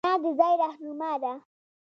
رڼا د ځای رهنما ده.